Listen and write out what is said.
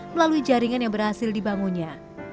melalui jaringan yang berhasil dibangunnya